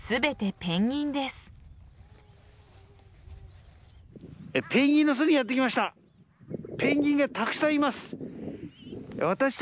ペンギンの巣にやってきました。